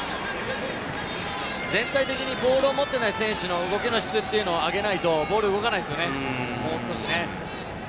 全体的にボールを持っていない選手の動きの質を上げないとボールが動かないですよね、もう少しね。